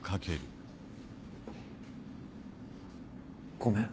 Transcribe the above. ごめん。